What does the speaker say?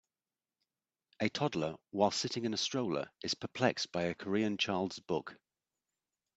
A toddler, whilst sitting in a stroller, is perplexed by a Korean child 's book.